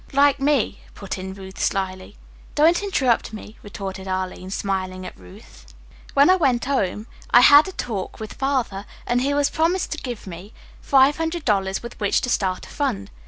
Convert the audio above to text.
"Like me," put in Ruth slyly. "Don't interrupt me," retorted Arline, smiling at Ruth. "When I went home I had a talk with Father, and he has promised to give me five hundred dollars with which to start a fund.